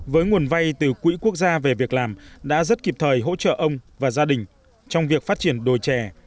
với nguồn vay từ quỹ quốc gia về việc làm đã rất kịp thời hỗ trợ ông và gia đình trong việc phát triển đồi trè